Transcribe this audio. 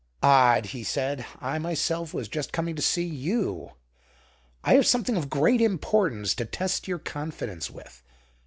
"Odd," he said, "I myself was just coming to see you. I have something of great importance to test your confidence with.